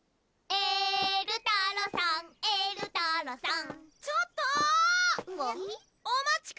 「えるたろさんえるたろさん」